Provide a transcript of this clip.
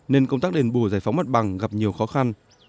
nên công tác đền bù giải phóng mặt bằng gặp nhiều khó khăn